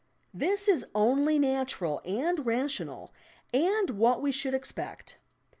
This is only natural and rational and what we should expect.